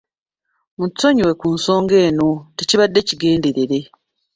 Mutusonyiwe ku nsonga eno, tekibadde kigenderere.